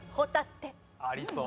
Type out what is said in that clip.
ありそう。